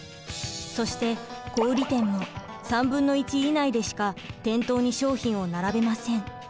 そして小売店も３分の１以内でしか店頭に商品を並べません。